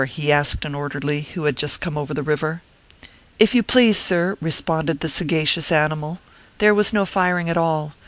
he asked an orderly, who had just come over the river. " If you please, sir/ responded the sagacious ani mal, "there was no firing at all.